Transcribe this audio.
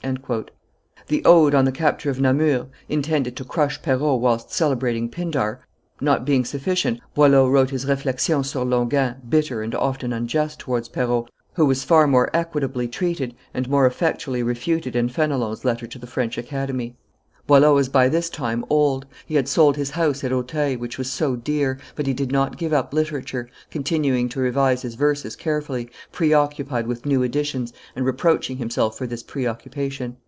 '" The ode on the capture of Namur, intended to crush Perrault whilst celebrating Pindar, not being sufficient, Boileau wrote his Reflexions sur Longin, bitter and often unjust towards Perrault, who was far more equitably treated and more effectually refuted in Fenelon's letter to the French Academy. [Illustration: La Fontaine, Boileau, Moliere, and Racine 657] Boileau was by this time old; he had sold his house at Auteuil, which was so dear, but he did not give up literature, continuing to revise his verses carefully, pre occupied with new editions, and reproaching himself for this pre occupation.